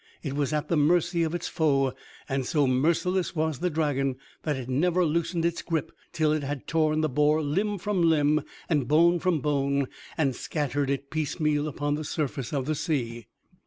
It was at the mercy of its foe, and so merciless was the dragon that it never loosened its grip till it had torn the boar limb from limb and bone from bone, and scattered it piecemeal upon the surface of the sea.